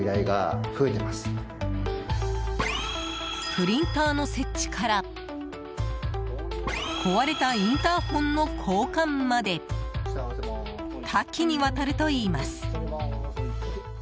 プリンターの設置から壊れたインターホンの交換まで多岐にわたるといいます。